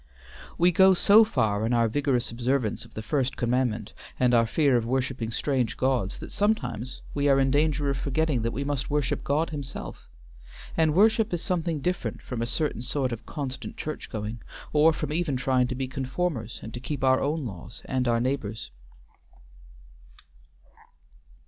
We go so far in our vigorous observance of the first commandment, and our fear of worshiping strange gods, that sometimes we are in danger of forgetting that we must worship God himself. And worship is something different from a certain sort of constant church going, or from even trying to be conformers and to keep our own laws and our neighbors'.